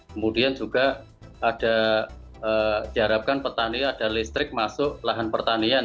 kemudian juga ada diharapkan petani ada listrik masuk lahan pertanian